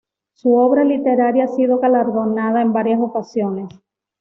Su obra literaria ha sido galardonada en varias ocasiones.